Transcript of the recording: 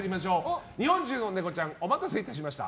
日本中のネコちゃんお待たせいたしました。